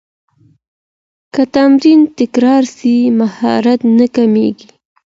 که تمرین تکرار سي، مهارت نه کمېږي.